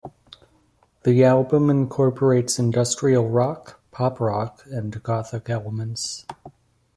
The album incorporates industrial rock, pop rock and gothic elements.